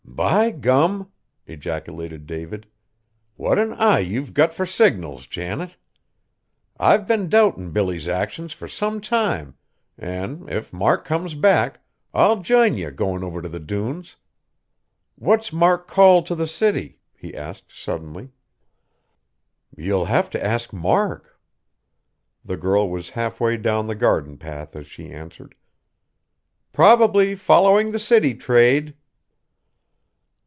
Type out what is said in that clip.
"By gum!" ejaculated David, "what an eye ye've got fur signals, Janet! I've been doubtin' Billy's actions fur some time an', if Mark comes back, I'll jine ye goin' over t' the dunes. What's Mark's call t' the city?" he asked suddenly. "You'll have to ask Mark." The girl was halfway down the garden path as she answered. "Probably following the city trade."